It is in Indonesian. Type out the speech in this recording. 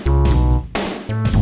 gue emang mau makan bareng